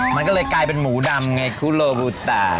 มันก็เลยกลายเป็นหมูดำไงคุโลบูตา